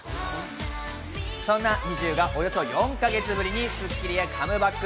そんなＮｉｚｉＵがおよそ４か月ぶりに『スッキリ』へカムバック。